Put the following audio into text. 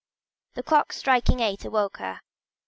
The clock striking eight awoke her.